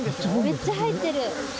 めっちゃ入ってる。